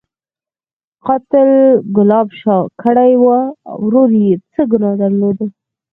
_قتل ګلاب شاه کړی و، ورور يې څه ګناه درلوده؟